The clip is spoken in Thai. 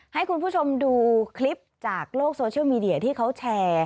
ให้คุณผู้ชมดูคลิปจากโลกโซเชียลมีเดียที่เขาแชร์